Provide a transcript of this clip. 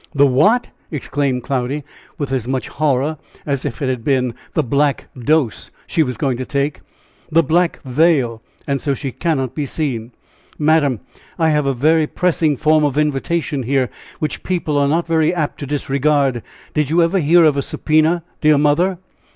"The what!" exclaimed Cloudy, with as much horror as if it had been the "black dose" she was going to take. "The black veil and so she cannot be seen." "Madam, I have a very pressing form of invitation here, which people are not very apt to disregard. Did you ever hear of a subpoena, dear Mother?"